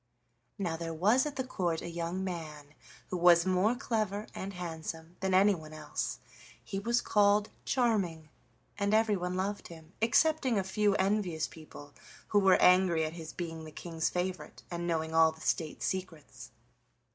Now there was at the Court a young man, who was more clever and handsome than anyone else. He was called Charming, and everyone loved him, excepting a few envious people who were angry at his being the King's favorite and knowing all the State secrets.